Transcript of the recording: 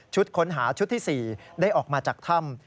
ค้นหาชุดที่๔ได้ออกมาจากถ้ำ